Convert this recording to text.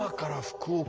福岡。